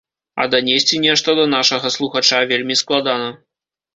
А данесці нешта да нашага слухача вельмі складана.